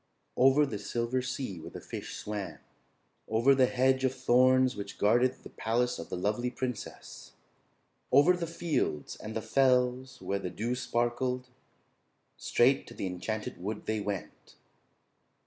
Over the Silver Sea where the fish swam, over the hedge of thorns which guarded the palace of the lovely princess, over the fields and the fells where the dew sparkled, straight to the Enchanted Wood they went.